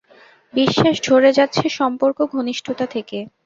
বিশ্বাস ঝরে যাচ্ছে সম্পর্ক, ঘনিষ্ঠতা থেকে।